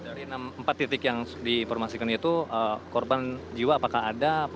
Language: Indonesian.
dari empat titik yang diinformasikan yaitu korban jiwa apakah ada